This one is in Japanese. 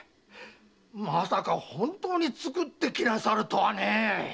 まさか本当につくってきなさるとはね！